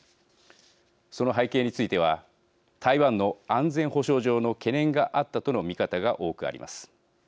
その背景については台湾の安全保障上の懸念があったとの見方が多くあります。